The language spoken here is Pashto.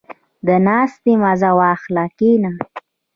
• د ناستې مزه واخله، کښېنه.